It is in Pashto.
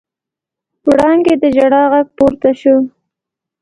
وړانګې د ژړا غږ پورته شو.